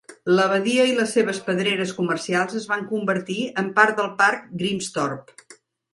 L'Abadia i les seves pedreres comercials es van convertir en part del parc Grimsthorpe.